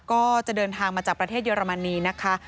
ก็จะเดินทางมาจากประเทศเยอรมนีนะคะ